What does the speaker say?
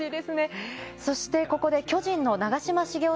ここで巨人の長嶋茂雄